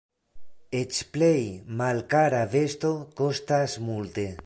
Eĉ plej malkara vesto kostas multe.